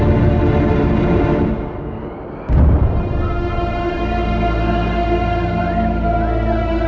jangan lupa untuk berikan duit